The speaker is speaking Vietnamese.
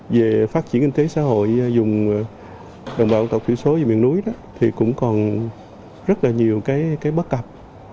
về phát triển kinh tế xã hội dùng đồng bào tộc thủy số về miền núi thì cũng còn rất là nhiều cái bất cập